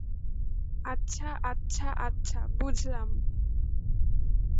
আচ্ছা, আচ্ছা, আচ্ছা, বুঝলাম।